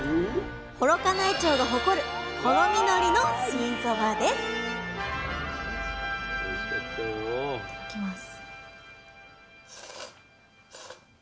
幌加内町が誇るほろみのりの新そばですいただきます。